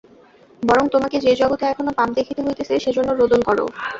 বরং তোমাকে যে জগতে এখনও পাপ দেখিতে হইতেছে, সেজন্য রোদন কর।